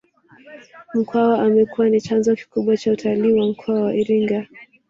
Mkwawa amekuwa ni chanzo kikubwa cha utalii wa mkoa wa Iringa